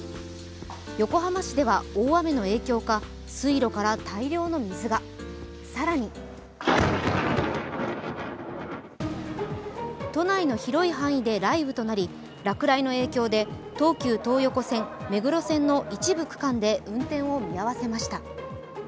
横浜市では大雨の影響か水路から大量の水が更に都内の広い範囲で雷雨となり、落雷の影響で東急東横線、目黒線の一部区間で運転を見合わせました。